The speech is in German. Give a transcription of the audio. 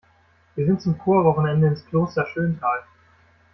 Wir sind zum Chorwochenende ins Kloster Schöntal.